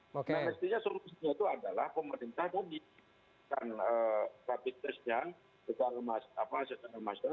dan mestinya solusinya itu adalah pemerintah menggunakan rapid testnya secara masyarakat